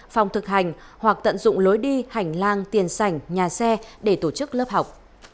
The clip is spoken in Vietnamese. phòng thực hành hoặc tận dụng lối đi hành lang tiền sảnh nhà xe để tổ chức lớp học